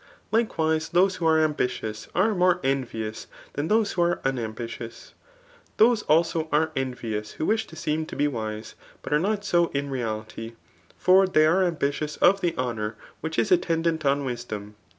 Likewise, those who are ambitious, are more envious than those who are unambitious. Those also sire envious who wish to seem to. be wise, but are not so in reality ; for they are ambi tious^f the honour which is attendant on wisdom.